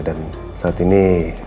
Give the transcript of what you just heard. dan saat ini